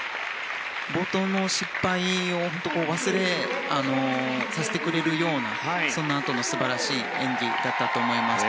冒頭の失敗を忘れさせてくれるようなそのあとの素晴らしい演技だったと思います。